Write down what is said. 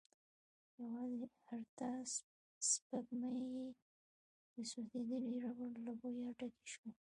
يواځې ارته سپږمې يې د سوځيدلې ربړ له بويه ډکې شوې.